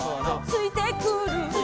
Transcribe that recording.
「ついてくる」